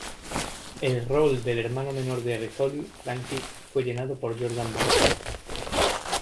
El rol del hermano menor de Rizzoli, Frankie, fue llenado por Jordan Bridges.